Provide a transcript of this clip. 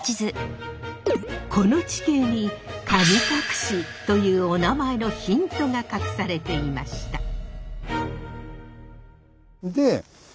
この地形に神隠というおなまえのヒントが隠されていました。